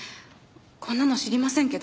こんなの知りませんけど。